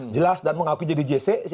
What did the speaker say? jelas dan mengaku jadi gc